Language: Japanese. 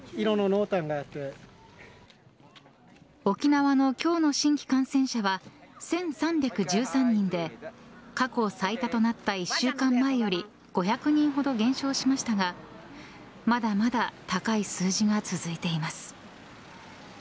沖縄の今日の新規感染者は１３１３人で過去最多となった１週間前より５００人ほど減少しましたがまだまだ高い数字が続いています。